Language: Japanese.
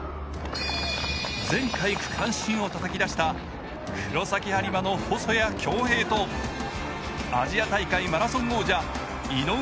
前回区間新をたたき出した黒崎播磨の細谷恭平とアジア大会マラソン王者・井上